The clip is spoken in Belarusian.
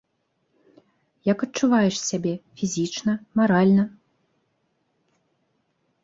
Як адчуваеш сябе фізічна, маральна?